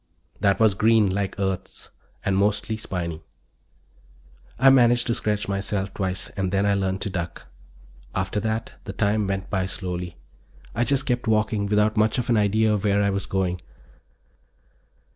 That was green, like Earth's, and mostly spiny. I managed to scratch myself twice and then I learned to duck. After that the time went by slowly. I just kept walking, without much of an idea where I was going.